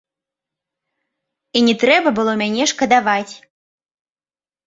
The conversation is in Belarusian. І не трэба было мяне шкадаваць!